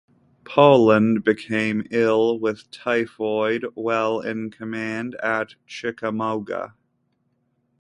Poland became ill with typhoid while in command at Chickamauga.